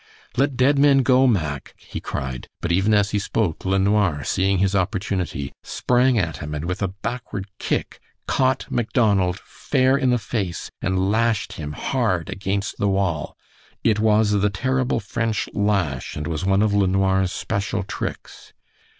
"Let dead men go, Mack," he cried, but even as he spoke LeNoir, seeing his opportunity, sprang at him and with a backward kick caught Macdonald fair in the face and lashed him hard against the wall. It was the terrible French 'lash' and was one of LeNoir's special tricks.